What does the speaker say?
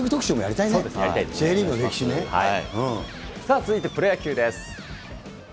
続いてプロ野球です。